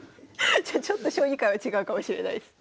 じゃあちょっと将棋界は違うかもしれないです。